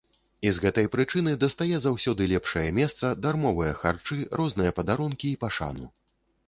І з гэтай прычыны дастае заўсёды лепшае месца, дармовыя харчы, розныя падарункі і пашану.